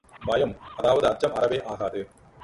பயம், அதாவது அச்சம் அறவே ஆகாது!